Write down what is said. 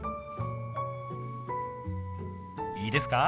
いいですか？